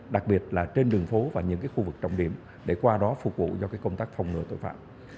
đặc biệt là trên đường phố và những khu vực trọng điểm để qua đó phục vụ cho công tác phòng ngừa tội phạm